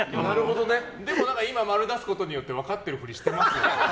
でも今○出すことで分かってるふりしてますよね？